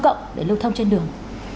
cộng để lưu thông trên đường